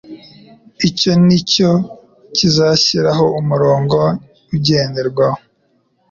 Icyo nicyo kizashyiraho umurongo ugenderwaho.